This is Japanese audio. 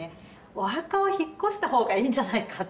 お墓を引っ越した方がいいんじゃないかっていうふうに。